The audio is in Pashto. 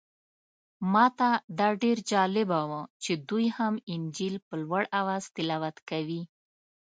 ماته دا ډېر جالبه و چې دوی هم انجیل په لوړ اواز تلاوت کوي.